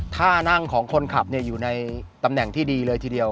ท่านั่งของคนขับอยู่ในตำแหน่งที่ดีเลยทีเดียว